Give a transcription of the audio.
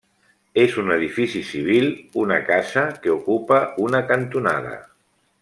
És un edifici civil, una casa que ocupa una cantonada.